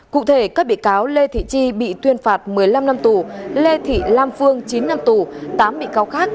cụ thể các bị cáo lê thị chi bị tuyên phạt một mươi năm năm tù lê thị lam phương chín năm tù tám bị cáo khác